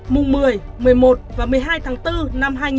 mùng một mươi một mươi một và một mươi hai tháng bốn